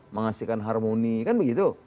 menghasilkan harmoni kan begitu